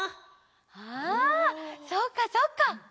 あそっかそっか。